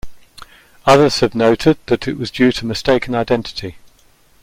Others have noted that it was due to mistaken identity.